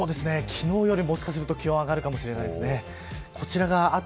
昨日より、もしかすると気温が上がるかもしれないですね。